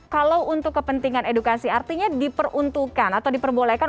kalau untuk kepentingan edukasi artinya diperuntukkan atau diperbolehkan